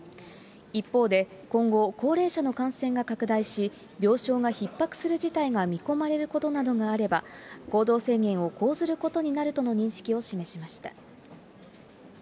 一方で、今後、高齢者の感染が拡大し、病床がひっ迫する事態が見込まれることなどがあれば、行動制限を講ずることになるとの認識を示しました。